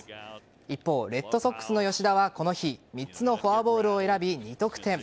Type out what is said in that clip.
一方、レッドソックスの吉田はこの日３つのフォアボールを選び２得点。